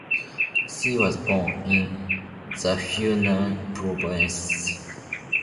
She was born in the Hunan province.